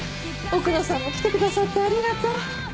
奥野さんも来てくださってありがとう。